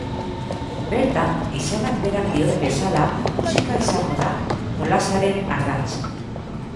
Bertan, izenak berak dioen bezala, musika izango da jolasaren ardatz.